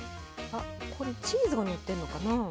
あっこれチーズがのってるのかな？